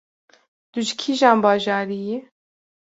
Tu ji kîjan bajarî yî?